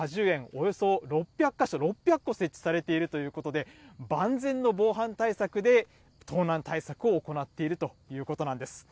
およそ６００か所、６００個設置されているということで、万全の防犯対策で盗難対策を行っているということなんです。